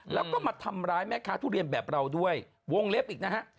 แล้วก็มาทำร้ายแม่ค้าทุเรียนแบบเราด้วยวงเล็บอีกนะฮะ